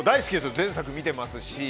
全作見ていますし。